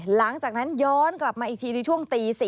หลังจากนั้นย้อนกลับมาอีกทีในช่วงตี๔